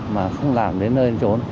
mà không làm đến nơi trốn